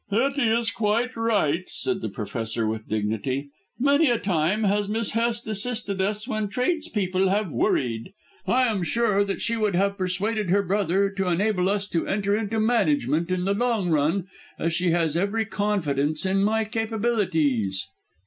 "Hettie is quite right," said the Professor with dignity. "Many a time has Miss Hest assisted us when tradespeople have worried. I am sure that she would have persuaded her brother to enable us to enter into management in the long run, as she has every confidence in my capabilities."